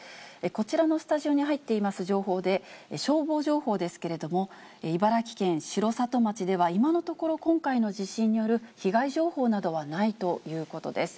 こちらのスタジオに入っています情報で、消防情報ですけれども、茨城県城里町では、今のところ、今回の地震による被害情報などはないということです。